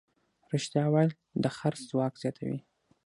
رښتیا ویل د خرڅ ځواک زیاتوي.